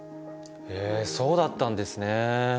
へえそうだったんですね。